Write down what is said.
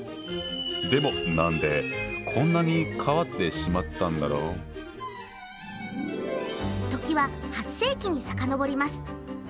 でも何でこんなに変わってしまったんだろう？時は８世紀にさかのぼります。